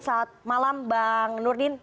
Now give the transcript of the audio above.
selamat malam bang nurdin